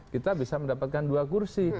kita bisa mendapatkan dua kursi